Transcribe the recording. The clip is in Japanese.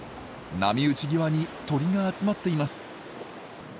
波打ち際に鳥が集まっています。